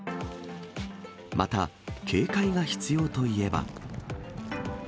また、警戒が必要といえば。